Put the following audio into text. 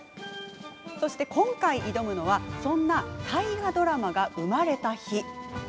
今回挑むのは、そんな「大河ドラマが生まれた日」。